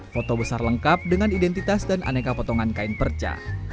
foto besar lengkap dengan identitas dan aneka potongan kain perca